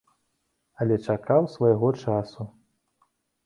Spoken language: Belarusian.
Але чакаў свайго часу.